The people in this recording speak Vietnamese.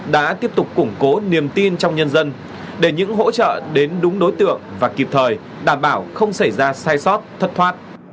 đã tiếp tục củng cố niềm tin trong nhân dân để những hỗ trợ đến đúng đối tượng và kịp thời đảm bảo không xảy ra sai sót thất thoát